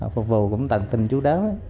phục vụ cũng tận tình chú đáo